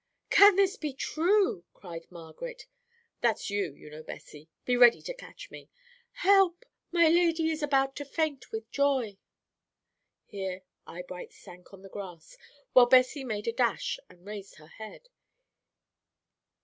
"'Can this be true?' cried Margaret that's you, you know, Bessie be ready to catch me.'Help! my lady is about to faint with joy.'" Here Eyebright sank on the grass, while Bessie made a dash, and raised her head.